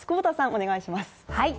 お願いします。